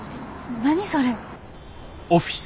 何それ？